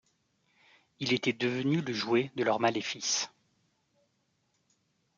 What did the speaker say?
Il était devenu le jouet de leurs maléfices...